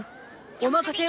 お任せを！